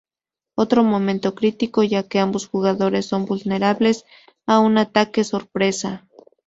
Otro momento crítico ya que ambos jugadores son vulnerables a un ataque sorpresa.